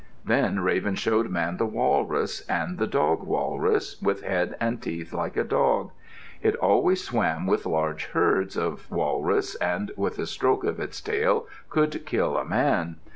Then Raven showed Man the walrus, and the dog walrus, with head and teeth like a dog. It always swam with large herds of walrus and with a stroke of its tail could kill a man.